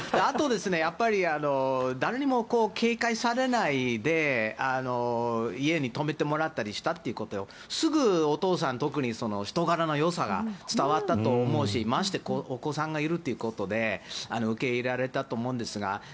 あと、やっぱり誰にも警戒されないで家に泊めてもらったりしたということすぐお父さん、特に人柄のよさが伝わったと思うしましてお子さんがいるということで受け入れられたと思うんですが。